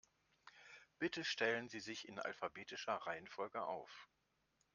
Bitte stellen Sie sich in alphabetischer Reihenfolge auf.